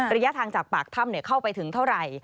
ระยะทางจากปากถ้ำเข้าไปถึงเท่าไหร่